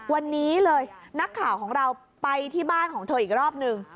วันนี้เลยนักข่าวของเราไปที่บ้านของเธออีกรอบหนึ่ง